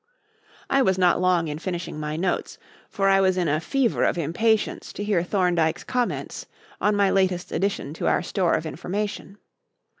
I was not long in finishing my notes, for I was in a fever of impatience to hear Thorndyke's comments on my latest addition to our store of information.